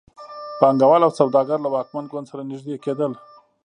پانګوال او سوداګر له واکمن ګوند سره نږدې کېدل.